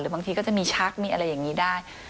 บางทีก็จะมีชักมีอะไรอย่างนี้ได้